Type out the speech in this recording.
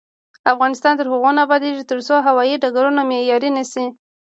افغانستان تر هغو نه ابادیږي، ترڅو هوايي ډګرونه معیاري نشي.